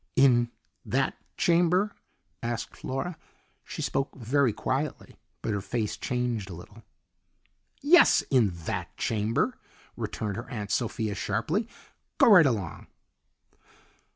"In THAT chamber?" asked Flora. She spoke very quietly, but her face changed a little. "Yes, in that chamber," returned her Aunt Sophia sharply. "Go right along."